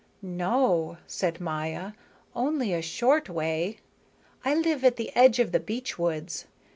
"No," said Maya. "Only a short way. I live at the edge of the beech woods.